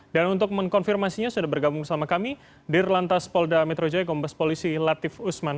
dan untuk mengkonfirmasinya sudah bergabung sama kami dir lantas polda metro jaya kompas polisi latif usman